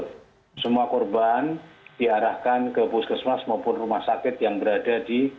jadi semua korban diarahkan ke puskesmas maupun rumah sakit yang berada di